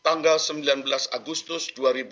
tanggal sembilan belas agustus dua ribu dua puluh